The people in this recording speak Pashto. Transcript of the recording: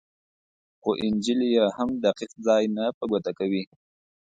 خو انجیل یې هم دقیق ځای نه په ګوته کوي.